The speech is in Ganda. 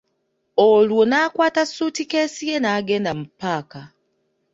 Olwo n'akwata suutikeesi ye n'agenda mu paaka.